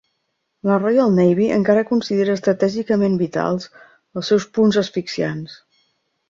La Royal Navy encara considera estratègicament vitals els seus punts asfixiants.